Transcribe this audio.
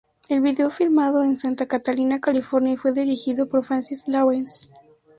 El vídeo fue filmado en Santa Catalina, California, y fue dirigido por Francis Lawrence.